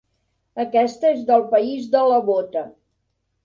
Aquesta és del país de la bota.